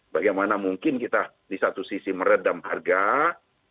bagaimana mungkin kita di satu sisi meredam harga